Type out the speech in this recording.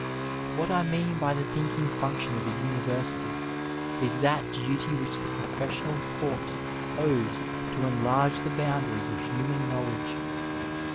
What I mean by the thinking function of a Universily, is that duty which the professional corps owes to enlarge the boundaries of human knowledge.